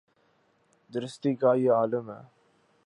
درستی کا یہ عالم ہے۔